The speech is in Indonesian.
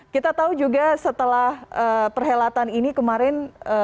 kita tahu juga setelah perhelatan ini kemarin